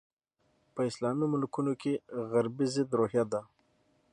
په اسلامي ملکونو کې غربي ضد روحیه ده.